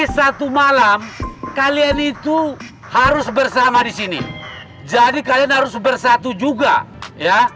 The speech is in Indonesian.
satu malam kalian itu harus bersama di sini jadi kalian harus bersatu juga ya